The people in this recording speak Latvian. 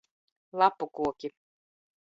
Lapu koki.